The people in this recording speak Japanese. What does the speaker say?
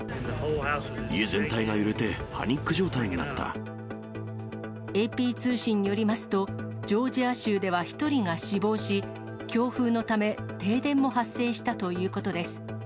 家全体が揺れて、パニック状態にＡＰ通信によりますと、ジョージア州では１人が死亡し、強風のため、停電も発生したということです。